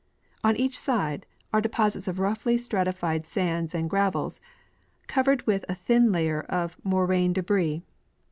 On each side are deposits of roughly stratified sands and gravels, covered with a thin layer of moraine debris.